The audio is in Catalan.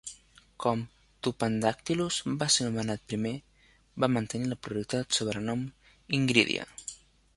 Com "Tupandactylus" va ser anomenat primer, va mantenir la prioritat sobre el nom "Ingridia".